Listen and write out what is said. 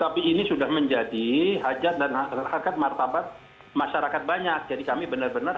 tapi ini sudah menjadi hajat dan harkat martabat masyarakat banyak jadi kami benar benar